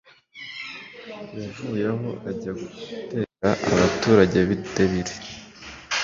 yavuye aho, ajya gutera abaturage b'i debiri